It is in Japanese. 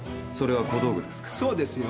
そうですよ。